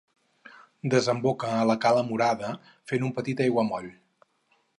Desemboca a la cala Murada, fent un petit aiguamoll.